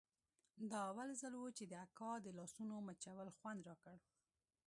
دا اول ځل و چې د اکا د لاسونو مچول خوند راکړ.